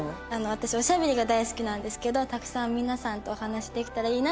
私おしゃべりが大好きなんですけどたくさん皆さんとお話しできたらいいなと思っています。